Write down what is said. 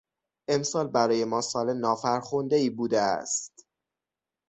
امسال برای ما سال نافرخندهای بوده است.